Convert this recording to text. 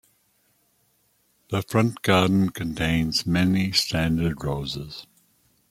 The front garden contains many standard roses.